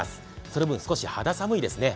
その分、少し肌寒いですね。